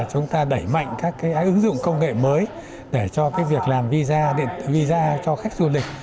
chúng ta đẩy mạnh các cái ứng dụng công nghệ mới để cho cái việc làm visa cho khách du lịch